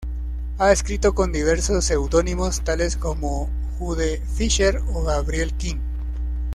Ha escrito con diversos pseudónimos, tales como Jude Fisher o Gabriel King.